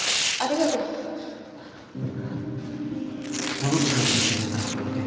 戻ってくるかもしれないからここにいて。